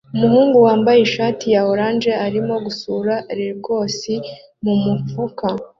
Umuhungu wambaye ishati ya orange arimo gusuka Legos mumufuka